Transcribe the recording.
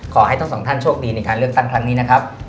ขอให้ทั้งสองท่านโชคดีในการเลือกตั้งครั้งนี้นะครับ